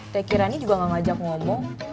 tehkirani juga enggak ngajak ngomong